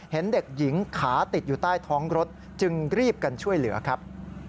เห็นเด็กหญิงขาติดอยู่ใต้ท้องรถจึงรีบกันช่วยเหลือครับ